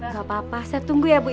gak apa apa saya tunggu ya bu ya